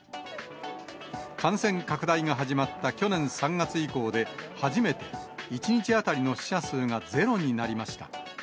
感染拡大が始まった去年３月以降で、初めて１日当たりの死者数がゼロになりました。